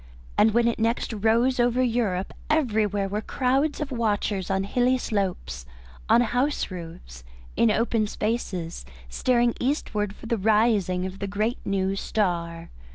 And when next it rose over Europe everywhere were crowds of watchers on hilly slopes, on house roofs, in open spaces, staring eastward for the rising of the great new star.